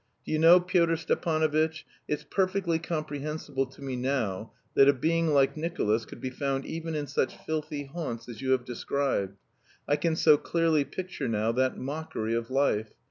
Do you know, Pyotr Stepanovitch, it's perfectly comprehensible to me now that a being like Nicolas could be found even in such filthy haunts as you have described. I can so clearly picture now that 'mockery' of life.